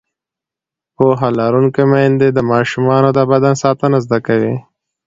پوهه لرونکې میندې د ماشومانو د بدن ساتنه زده کوي.